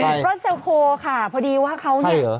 รถเซลโคค่ะพอดีว่าเขาเนี่ย